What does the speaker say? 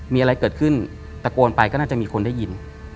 มีอะไรเกิดขึ้นตะโกนไปก็น่าจะมีคนได้ยิน